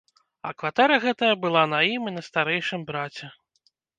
А кватэра гэтая была на ім і на старэйшым браце.